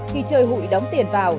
khi chơi hụi đóng tiền vào